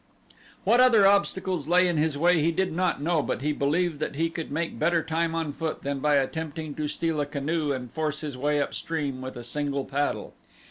What other obstacles lay in his way he did not know but he believed that he could make better time on foot than by attempting to steal a canoe and force his way up stream with a single paddle.